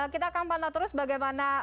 kita akan pantau terus bagaimana